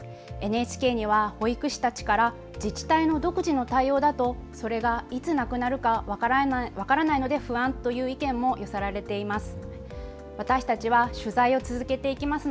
ＮＨＫには保育士たちから自治体の独自の対応だとそれがいつなくなるか分からないので不安という意見も寄せられています。